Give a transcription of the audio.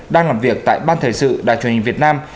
đang làm việc tại ban thời sự đài truyền hình việt nam